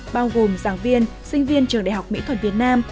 bao gồm giảng viên sinh viên trường đại học mỹ thuật việt nam